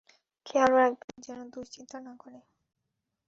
খেয়াল রাখবেন যেন দুশ্চিন্তা না করে।